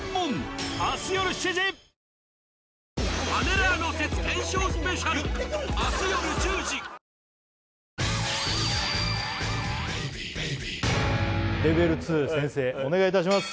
レベル２先生お願いいたします